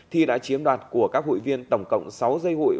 thi đã chiếm đoạt của các hội viên tổng cộng sáu dây hội